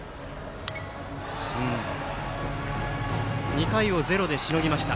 ２回をゼロでしのぎました。